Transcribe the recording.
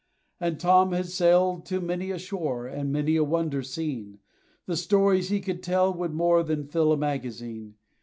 And Tom had sailed to many a shore, And many a wonder seen: The stories he could tell would more Than fill a magazine.